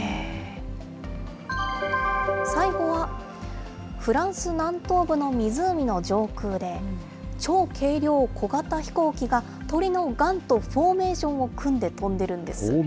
最後は、フランス南東部の湖の上空で、超軽量小型飛行機が鳥のがんとフォーメーションを組んで飛んでるんです。